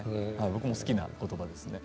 僕も好きな言葉ですね。